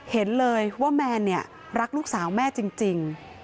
เห็นเลยว่าแมนเนี่ยรักลูกสาวแม่จริง